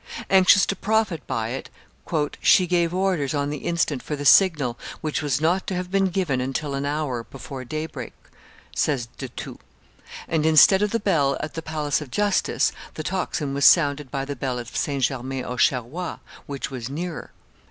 Anxious to profit by it, "she gave orders on the instant for the signal, which was not to have been given until an hour before daybreak," says De Thou, "and, instead of the bell at the Palace of Justice, the tocsin was sounded by the bell of St. Germain Auxerrois, which was nearer."